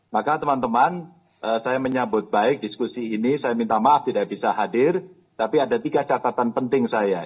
maka teman teman saya menyambut baik diskusi ini saya minta maaf tidak bisa hadir tapi ada tiga catatan penting saya